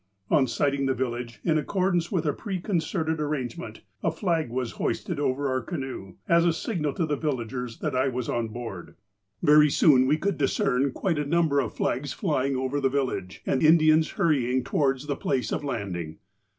" On sighting the village, in accordance with a preconcerted arrangement, a flag was hoisted over our canoe, as a signal to the villagers that I was on board. "Very soon we could discern quite a number of flags flying over the village, and Indians hurrying towards the place of landing.